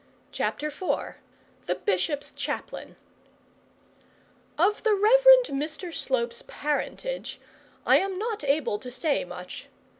CHAPTER IV THE BISHOP'S CHAPLAIN Of the Rev. Mr Slope's parentage I am not able to say much.